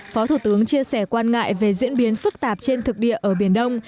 phó thủ tướng chia sẻ quan ngại về diễn biến phức tạp trên thực địa ở biển đông